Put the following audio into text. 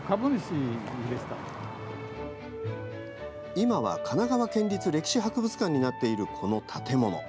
今は、神奈川県立歴史博物館になっているこの建物。